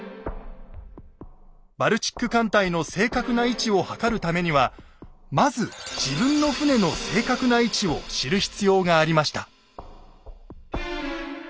バルチック艦隊の正確な位置をはかるためにはまず自分の船の正確な位置を知る必要がありました。